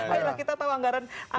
ayolah kita tahu anggaran